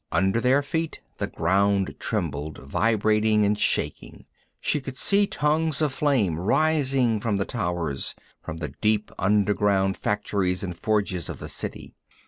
Under their feet the ground trembled, vibrating and shaking. She could see tongues of flame rising from the towers, from the deep underground factories and forges of the City.